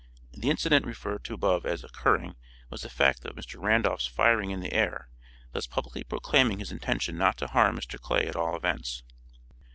The incident referred to above as 'occurring' was the fact of Mr. Randolph's firing in the air, thus publicly proclaiming his intention not to harm Mr. Clay at all events.